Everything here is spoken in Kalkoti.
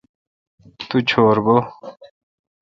تو چور بھو۔